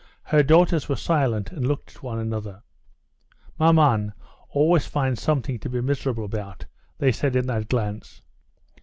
Her daughters were silent, and looked at one another. "Maman always finds something to be miserable about," they said in that glance.